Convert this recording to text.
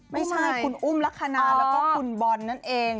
ไม่ใช่คุณอุ้มลักษณะแล้วก็คุณบอลนั่นเอง